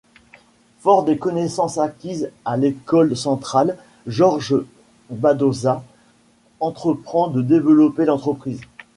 Fort des connaissances acquises à l'École centrale, Georges Badosa entreprend de développer l'entreprise.